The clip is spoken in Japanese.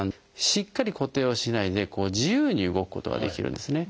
しっかり固定をしないで自由に動くことができるんですね。